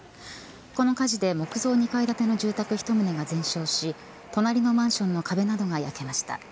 この火事で木造２階建ての住宅１棟が全焼し隣のマンションの壁などが焼けました。